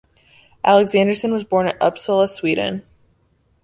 Alexanderson was born at Uppsala, Sweden.